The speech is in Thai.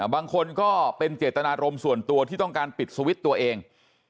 บางคนก็เป็นเจตนารมณ์ส่วนตัวที่ต้องการปิดสวิตช์ตัวเอง